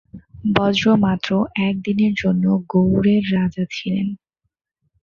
বজ্র মাত্র এক দিনের জন্য গৌড়ের রাজা ছিলেন।